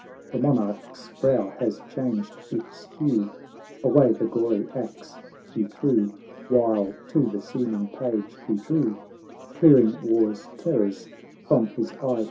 The monarch's brow has changed its hue, Away the gory axe he threw, While to the seeming page he drew, Clearing war's terrors from his eye.